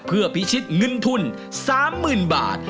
เพื่อพิชิตเงินทุน๓๐๐๐บาท